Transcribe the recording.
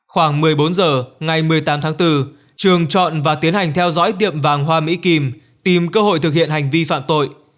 khoảng một mươi bốn h ngày một mươi tám tháng bốn trường chọn và tiến hành theo dõi tiệm vàng hoa mỹ kim tìm tìm cơ hội thực hiện hành vi phạm tội